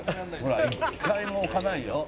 「ほら一回も置かないよ」